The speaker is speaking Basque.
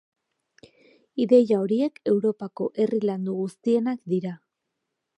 Ideia horiek Europako herri landu guztienak dira.